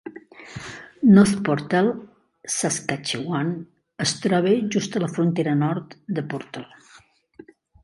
North Portal, Saskatchewan es troba just a la frontera nord de Portal.